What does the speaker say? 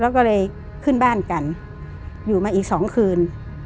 แล้วก็เลยขึ้นบ้านกันอยู่มาอีก๒คืน